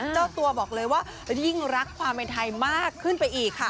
เจ้าตัวบอกเลยว่ายิ่งรักความเป็นไทยมากขึ้นไปอีกค่ะ